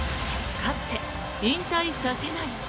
勝って引退させない。